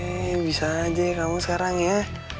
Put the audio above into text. hei bisa aja kamu sekarang ya